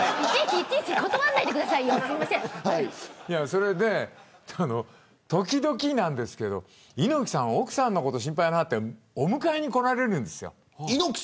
それで時々なんですけど猪木さんが奥さんのことが心配になってお迎えに来られるんですよ。